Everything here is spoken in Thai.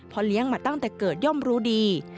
เลี้ยงมาตั้งแต่เกิดย่อมรู้ดี